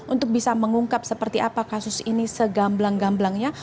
untuk bisa mengungkap seperti apa kasus ini segamblang gamblangnya